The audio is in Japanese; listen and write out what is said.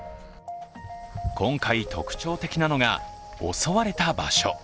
今回、特徴的なのが襲われた場所。